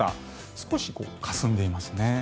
少しかすんでいますね。